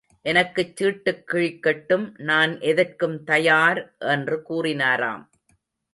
எனக்குச் சீட்டுக் கிழிக்கட்டும் நான் எதற்கும் தயார் என்று கூறினாராம்.